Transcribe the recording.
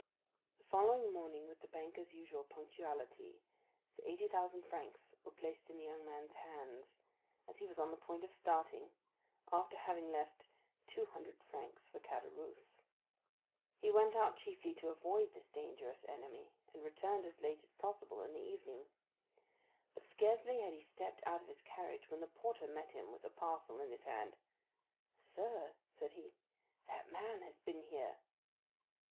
The following morning, with the banker's usual punctuality, the eighty thousand francs were placed in the young man's hands, as he was on the point of starting, after having left two hundred francs for Caderousse. He went out chiefly to avoid this dangerous enemy, and returned as late as possible in the evening. But scarcely had he stepped out of his carriage when the porter met him with a parcel in his hand. "Sir," said he, "that man has been here."